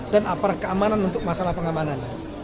dan aparat keamanan untuk masalah pengamanan